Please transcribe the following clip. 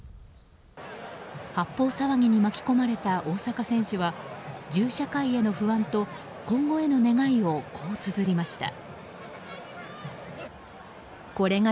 発砲騒ぎに巻き込まれた大坂選手は銃社会への不安と今後への願いをこうつづりました。